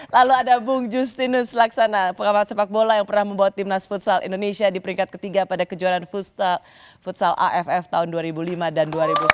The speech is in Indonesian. lalu ada bung justinus laksana pengamal sepak bola yang pernah membawa timnas futsal indonesia di peringkat ketiga pada kejuaraan futsal aff tahun dua ribu lima dan dua ribu sepuluh